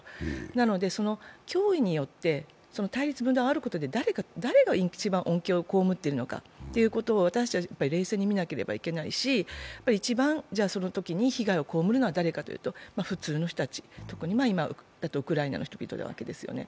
なので、脅威によって対立・分断をあおることで誰が一番恩恵を被っているのかを私たちは冷静に見なきゃいけないし一番そのときに被害をこうむるのは誰かというと、普通の人たち、今だとウクライナの人々なわけですね。